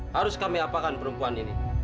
harus kami apakan perempuan ini